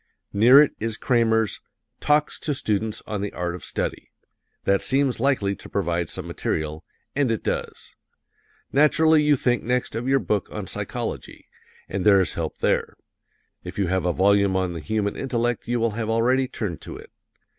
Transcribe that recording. Near it is Kramer's "Talks to Students on the Art of Study" that seems likely to provide some material, and it does. Naturally you think next of your book on psychology, and there is help there. If you have a volume on the human intellect you will have already turned to it.